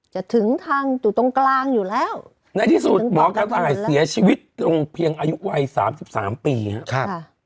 ถึงทางอยู่ตรงกลางอยู่แล้วในที่สุดหมอกระต่ายเสียชีวิตลงเพียงอายุวัยสามสิบสามปีครับ